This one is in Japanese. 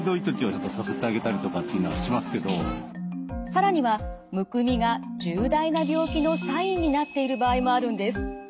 更にはむくみが重大な病気のサインになっている場合もあるんです。